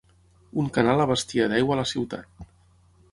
Un canal abastia d'aigua la ciutat.